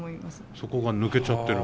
そこが抜けちゃってる？